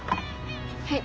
はい。